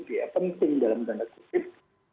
penting dalam tanda kutip